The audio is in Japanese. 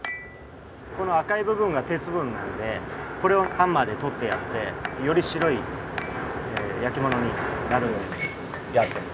この赤い部分が鉄分なんでこれをハンマーで取ってやってより白い焼き物になるようにやってます。